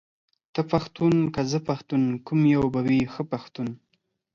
ته پښتون که زه پښتون ، کوم يو به وي ښه پښتون ،